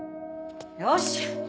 よし！